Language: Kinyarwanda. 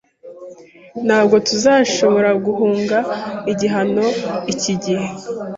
Ntabwo tuzashobora guhunga igihano iki gihe.